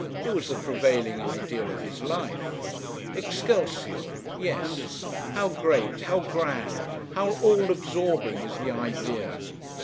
It was the prevailing idea of his life. 'Excelsior'! Yes; how great, how grand, how all absorbing is the idea!